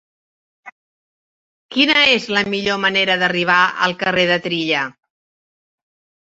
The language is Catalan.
Quina és la millor manera d'arribar al carrer de Trilla?